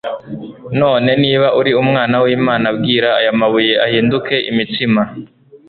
none « niba uri Umwana w'lmana bwira aya mabuye ahinduke imitsima»